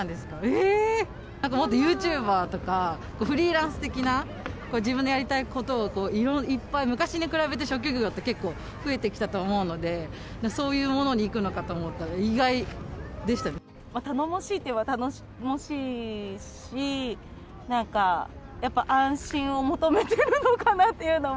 えー、なんかもっとユーチューバーとか、フリーランス的な自分のやりたいことを昔に比べて、職業だって増えてきたと思うので、そういうものにいくのかと思ったら、意外で頼もしいといえば頼もしいし、なんかやっぱ安心を求めてるのかなというのも。